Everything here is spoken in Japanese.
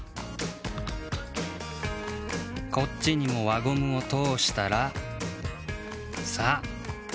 こっちにも輪ゴムをとおしたらさあ